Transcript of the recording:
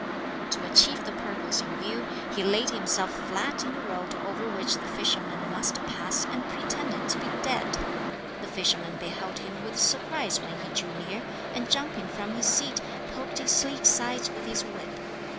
To achieve the purpose in view, he laid himself flat in the road over which the fisherman must pass and pretended to be dead. The fisherman beheld him with surprise when he drew near, and jumping from his seat poked his sleek sides with his whip.